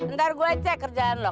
ntar gue cek kerjaan lo